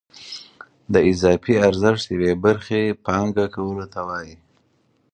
د اضافي ارزښت یوې برخې پانګه کولو ته وایي